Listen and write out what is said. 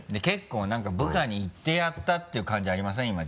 結構何か部下に言ってやったっていう感じありません？